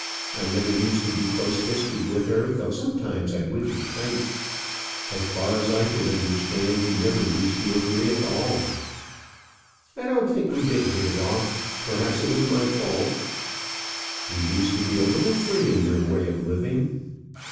I never used to be close fisted with her, though sometimes I would be tight." "As far as I could understand, you never used to agree at all." "I don't think we did hit it off. Perhaps it was my fault." "You used to be a little free in your way of living."